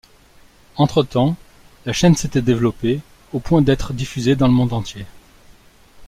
Entre-temps, la chaîne s'était développée au point d'être diffusée dans le monde entier.